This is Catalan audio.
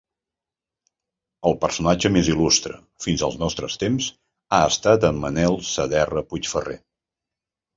El personatge més il·lustre fins als nostres temps ha estat en Manel Saderra Puigferrer.